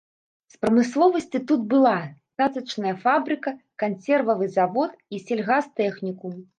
З прамысловасці тут была цацачная фабрыка, кансервавы завод і сельгастэхнікум.